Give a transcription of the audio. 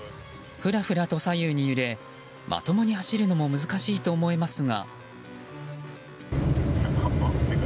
ふらふらと左右に揺れまともに走るのも難しいと思えますが。